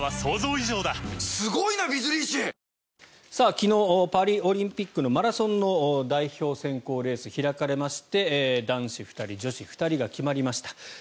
昨日、パリオリンピックのマラソンの代表選考レース開かれまして男子２人、女子２人が決まりました。